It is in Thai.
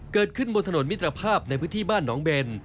เกิดขึ้นบนถนนมิตรภาพในพื้นที่บ้านหนองเบน